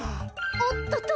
おっとと！